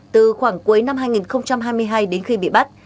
từ khoảng cuối năm hai nghìn hai mươi hai đến khi bị bắt